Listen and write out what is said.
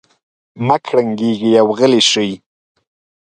مه کړنګېږئ او غلي شئ.